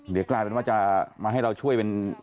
เดี๋ยวกลายเป็นว่าจะมาให้เราช่วยเป็น